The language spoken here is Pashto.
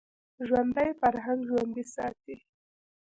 ژوندي فرهنګ ژوندی ساتي